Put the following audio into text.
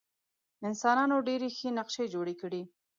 انسانانو ډېرې ښې نقشې جوړې کړې.